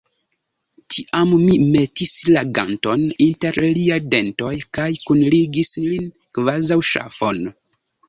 Tiam mi metis la ganton inter liaj dentoj kaj kunligis lin, kvazaŭ ŝafon.